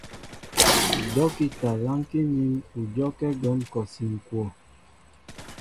Dɔ́kita lánkí nín ú dyɔ́kɛ́ gwɛ̌m kɔsi ŋ̀kwoo.